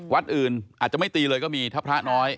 วัดอื่นอาจจะไม่ตีเลยก็มีถ้าพระน้อย